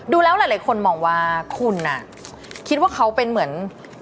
ดูแล้วหลายคนมองว่าคุณคิดว่าเขาเป็นเหมือน